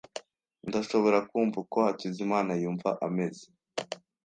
Ndashobora kumva uko Hakizimana yumva ameze.